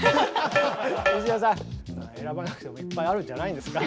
石田さん選ばなくてもいっぱいあるんじゃないんですか？